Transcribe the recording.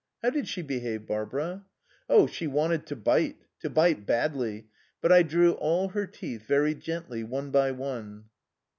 "How did she behave, Barbara?" "Oh she wanted to bite to bite badly; but I drew all her teeth, very gently, one by one."